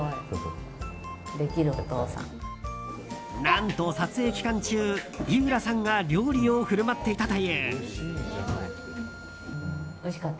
何と撮影期間中、井浦さんが料理を振る舞っていたという。